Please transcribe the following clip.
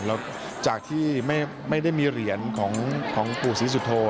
แล้วจากที่ไม่ได้มีเหรียญของปู่ศรีสุโธ